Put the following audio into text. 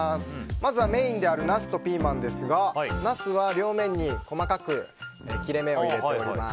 まずはメインであるナスとピーマンですがナスは両面に細かく切れ目を入れております。